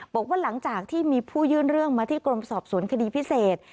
บอกว่าหลังจากที่มีผู้ยื่นเรื่องมาที่กรมสอบสวนคดีพิเศษ